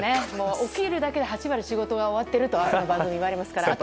起きるだけで８割の仕事が終わっていると朝の番組は言われますから。